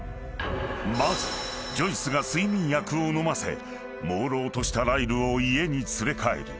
［まずジョイスが睡眠薬を飲ませもうろうとしたライルを家に連れ帰る］